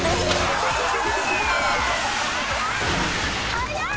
早い！